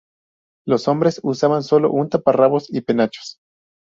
Los hombres usaban solo un taparrabos y penachos.